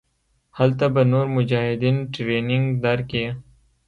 هلته به نور مجاهدين ټرېننګ دركي.